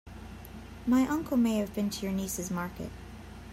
My uncle may have been to your niece's market.